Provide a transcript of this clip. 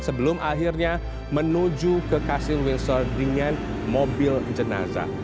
sebelum akhirnya menuju ke kastil windsor dengan mobil jenazah